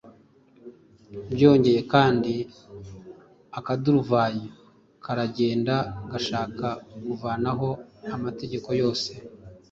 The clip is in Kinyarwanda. Byongeye kandi, akaduruvayo karagenda gashaka kuvanaho amategeko yose,